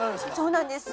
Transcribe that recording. そうなんです。